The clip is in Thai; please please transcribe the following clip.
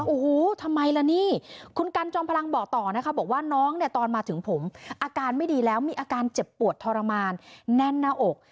โอ้โหทำไมล่ะนี่คุณกันจอมพลังบอกต่อนะคะบอกว่าน้องเนี่ยตอนมาถึงผมอาการไม่ดีแล้วมีอาการเจ็บปวดทรมานแน่นหน้าอก